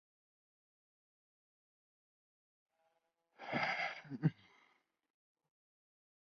El peso es una fuerza del cuerpo y no es una fuerza aerodinámica.